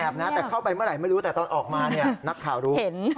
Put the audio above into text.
เขาไม่แอบนะแต่เข้าไปเมื่อไหร่ไม่รู้แต่ตอนออกมาเนี่ยนักข่าวรู้เห็นค่ะ